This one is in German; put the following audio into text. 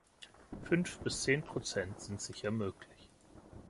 Fünf bis zehn Prozent sind sicher möglich.